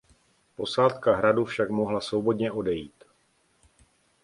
Posádka hradu však mohla svobodně odejít.